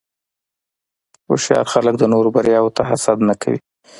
هوښیار خلک د نورو بریاوو ته حسد نه کوي.